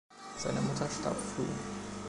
Seine Mutter starb früh.